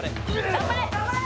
「頑張れ！